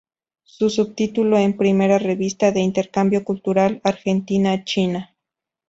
Su subtítulo es Primera Revista de Intercambio Cultural Argentina-China.